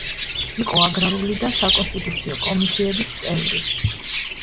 იყო აგრარული და საკონსტიტუციო კომისიების წევრი.